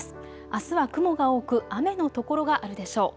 あすは雲が多く雨の所があるでしょう。